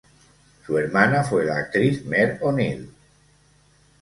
Su hermana fue la actriz Maire O'Neill.